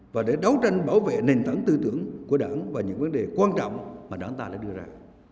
và để đấu tranh bảo vệ nền tảng tư tưởng của đảng và những vấn đề quan trọng mà đảng ta đã đưa ra